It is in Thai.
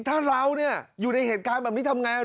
ถ้าเราอยู่ในเหตุการณ์แบบนี้ทำไง